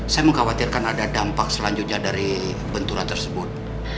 saya mengkhawatirkan ada dampak selanjutnya dari benturan tersebut